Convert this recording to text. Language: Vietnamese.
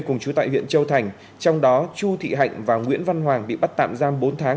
cùng chú tại huyện châu thành trong đó chu thị hạnh và nguyễn văn hoàng bị bắt tạm giam bốn tháng